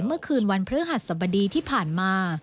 เมื่อคืนวันพฤหัสสบดีที่ผ่านมา